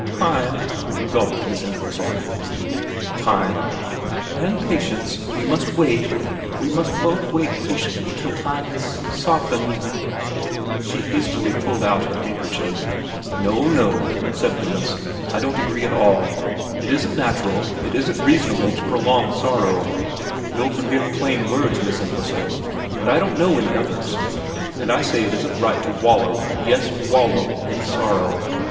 ' Time,' gulped Miss Entwhistle. ' Time ?'' And patience. We must wait we must both wait p patiently till time has s softened ' She hastily pulled out her handkerchief. ' No, no,' said Wemyss, ' I don't at all agree. It isn't natural, it isn't reasonable to prolong sorrow. You'll forgive plain words, Miss Entwhistle, but I don't know any others, and I say it isn't right to wallow yes, wallow in sorrow.